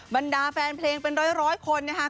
บรรดาแฟนเพลงเป็นร้อยคนนะคะ